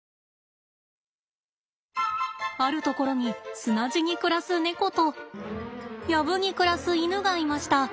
あるところに砂地に暮らすネコと藪に暮らすイヌがいました。